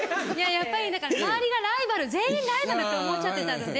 やっぱり周りがライバル全員ライバルと思っちゃってたので。